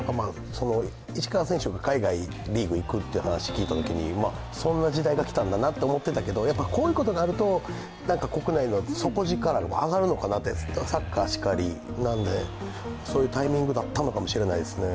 石川選手、海外リーグに行くという話を聞いたときにそんな時代がきたんだなと思ってたけど、こういうことがあると国内の底力も上がるのかなって、サッカーしかり、そういうタイミングだったのかもしれないですね。